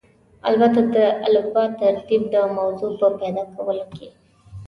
البته د الفبا ترتیب د موضوع په پیدا کولو کې.